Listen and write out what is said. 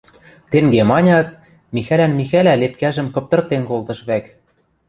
Тенге манят, Михӓлӓн Михӓлӓ лепкӓжӹм кыптыртен колтыш вӓк.